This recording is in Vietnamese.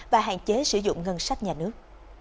và hạn chế sử dụng ngân sách nhà nước